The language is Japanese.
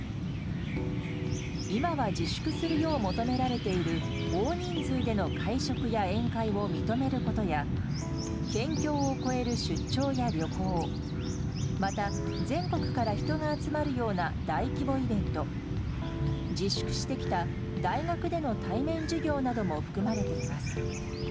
今は自粛するよう求められている、大人数での会食や宴会を認めることや、県境を越える出張や旅行、また、全国から人が集まるような大規模イベント、自粛してきた大学での対面授業なども含まれています。